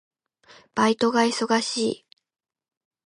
バイトが忙しい。